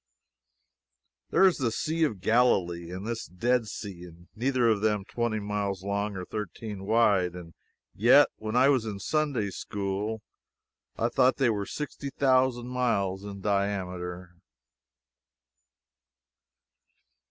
There is the Sea of Galilee and this Dead Sea neither of them twenty miles long or thirteen wide. And yet when I was in Sunday School I thought they were sixty thousand miles in diameter.